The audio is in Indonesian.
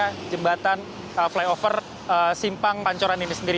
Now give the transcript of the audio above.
di jembatan flyover simpang pancoran ini sendiri